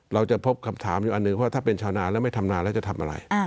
เราจะพบคำถามอยู่อันหนึ่งว่าถ้าเป็นชาวนาแล้วไม่ทำนานแล้วจะทำอะไร